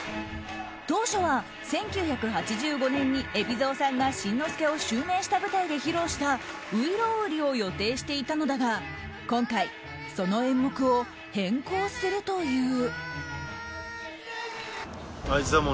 当初は１９８５年に海老蔵さんが新之助を襲名した舞台で披露された「外郎売」を予定していたのだが今回、その演目を変更するという。